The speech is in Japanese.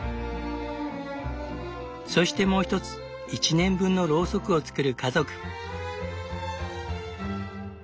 そしてもう一つ１年分のロウソクを作る家族。